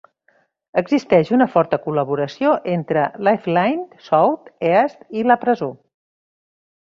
Existeix una forta col·laboració entre Lifeline South East i la presó.